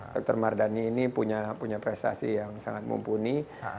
dokter mardhani ini punya prestasi yang sangat mumpuni